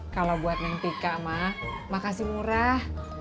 kalau buat neng tika mak kasih murah